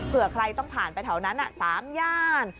เพื่อใครต้องผ่านไปแถวนั้น๓ย่าน